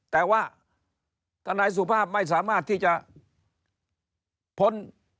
แต่ว่าทนายสุภาพไม่สามารถที่จะพ้น